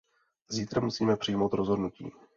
Zítra musíme přijmout rozhodnutí.